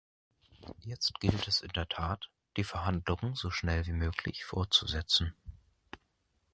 Jetzt gilt es in der Tat, die Verhandlungen so schnell wie möglich fortzusetzen.